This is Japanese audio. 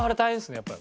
やっぱり。